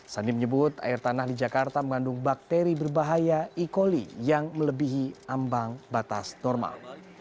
sandi menyebut air tanah di jakarta mengandung bakteri berbahaya e coli yang melebihi ambang batas normal